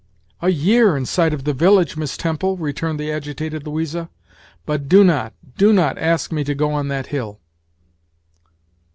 "A year, in sight of the village, Miss Temple," returned the agitated Louisa, "but do not, do not ask me to go on that hill."